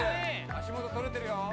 足元撮れてるよ」